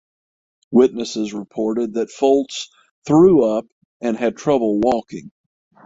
Witnesses reported that Foltz threw up and had trouble walking.